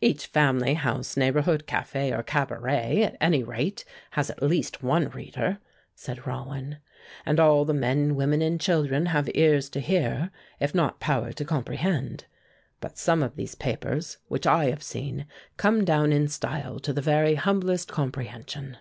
"Each family, house, neighborhood, café or cabaret, at any rate, has, at least one reader," said Rollin; "and all the men, women and children have ears to hear, if not power to comprehend. But some of these papers, which I have seen, come down in style to the very humblest comprehension."